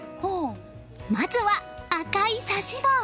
まずは、赤い指し棒。